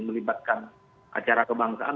melibatkan acara kebangsaan